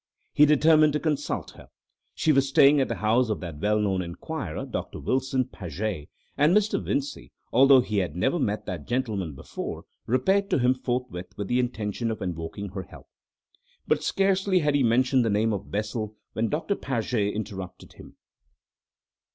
He determined to consult her. She was staying at the house of that well known inquirer, Dr. Wilson Paget, and Mr. Vincey, although he had never met that gentleman before, repaired to him forthwith with the intention of invoking her help. But scarcely had he mentioned the name of Bessel when Doctor Paget interrupted him.